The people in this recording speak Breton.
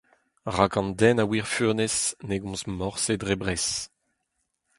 Rak an den a wir furnez, ne gomz morse dre bres.